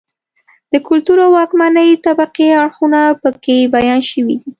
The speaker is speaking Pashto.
د کلتور او واکمنې طبقې اړخونه په کې بیان شوي دي.